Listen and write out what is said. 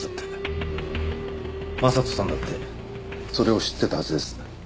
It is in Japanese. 将人さんだってそれを知ってたはずです。